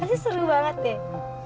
pasti seru banget deh